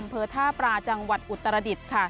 อำเภอท่าปลาจังหวัดอุตรรดิฐฯ